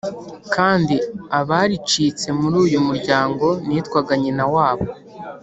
Kandi abaricitse Muri uyu muryango Nitwaga nyina wabo